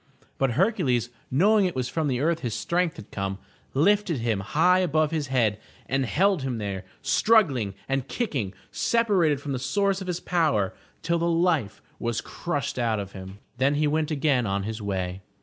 But Hercules, knowing it was from the earth his strength had come, lifted him high above his head and held him there, struggling and kicking, separated from the source of his power, till the life was crushed out of him. Then he went again on his way.